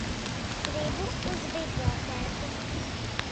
Gribu uz bibliotēku.